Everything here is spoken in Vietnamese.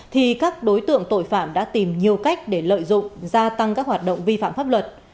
thì các đối tượng tội phạm đã tìm nhiều cách để lợi dụng gia tăng các hoạt động vi phạm pháp luật